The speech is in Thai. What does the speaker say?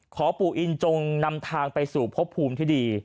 ขอปู่อินจงนำทางไปสู่พบภูมิที่ดี